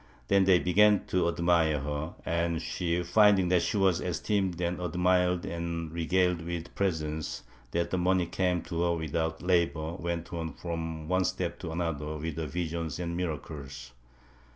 Then they began to admire her and she, finding that she was esteemed and admired and regaled with presents, and that money came to her without labor, went on from one step to another with her visions and miracles.